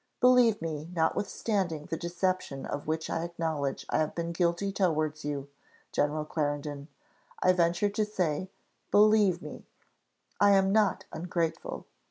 Believe me notwithstanding the deception of which I acknowledge I have been guilty towards you, General Clarendon I venture to say, believe me, I am not ungrateful.